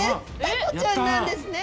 タコちゃんなんですね。